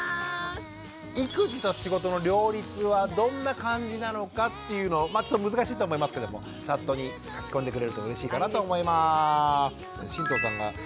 育児と仕事の両立はどんな感じなのかっていうのをちょっと難しいと思いますけどもチャットに書き込んでくれるとうれしいかなと思います。